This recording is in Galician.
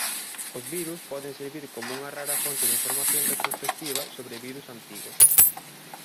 Os virus poden servir como unha rara fonte de información retrospectiva sobre virus antigos.